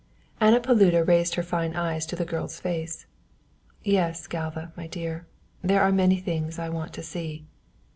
Anna Paluda raised her fine eyes to the girl's face. "Yes, Galva, my dear, there are many things I want to see."